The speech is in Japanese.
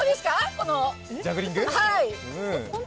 このジャグリング？